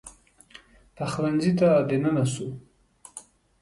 پخلنځي ته دننه سو